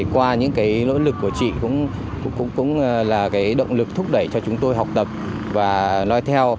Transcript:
qua những nỗ lực của chị cũng là động lực thúc đẩy cho chúng tôi học tập và nói theo